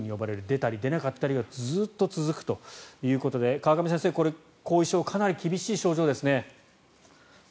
出たり出なかったりがずっと続くということで川上先生、後遺症かなり厳しい症状ですね。